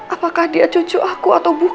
apakah dia cucu aku atau bukan